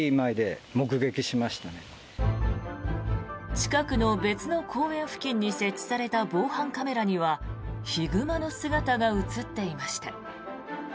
近くの別の公園付近に設置された防犯カメラにはヒグマの姿が映っていました。